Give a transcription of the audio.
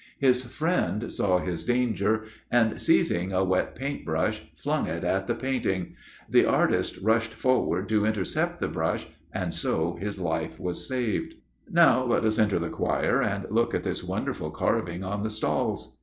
His friend saw his danger, and, seizing a wet paint brush, flung it at the painting. The artist rushed forward to intercept the brush, and so his life was saved. Now let us enter the choir, and look at this wonderful carving on the stalls.